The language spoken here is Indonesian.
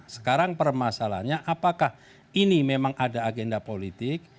sekarang permasalahannya apakah ini memang ada agenda politik